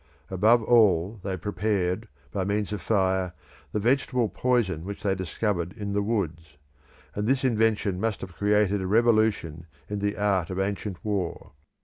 Above all, they prepared, by means of fire, the vegetable poison which they discovered in the woods; and this invention must have created a revolution in the art of ancient war.